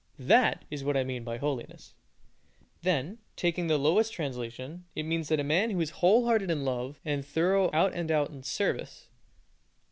That is what I mean by holiness! Then, taking the lowest translation, it means that a man is whole hearted in love, and thorough out and out in service!